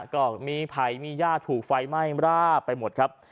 ก็มีไผ่มีย่าถูกไฟไหม้มราบไปหมดครับ